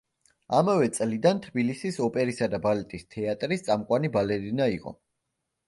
ამავე წლიდან თბილისის ოპერისა და ბალეტის თეატრის წამყვანი ბალერინა იყო.